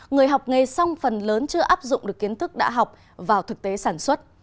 người học nghề xong phần lớn chưa áp dụng được kiến thức đã học vào thực tế sản xuất